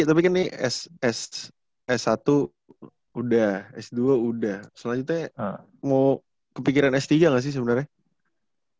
tapi kan ini ss satu udah s dua udah selanjutnya mau kepikiran s tiga gak sih sebenarnya